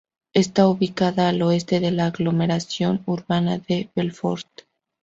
Está ubicada al oeste de la aglomeración urbana de Belfort.